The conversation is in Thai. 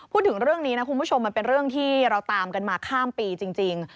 พูดถึงเรื่องนี้นะคุณผู้ชมมันเป็นเรื่องที่เราตามกันมาข้ามปีจริง